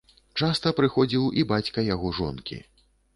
Часта прыходзіў і бацька яго жонкі.